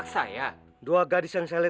tidak ada yang bisa diambil